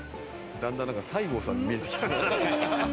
だんだんなんか西郷さんに見えてきた。